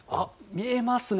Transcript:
見えますね。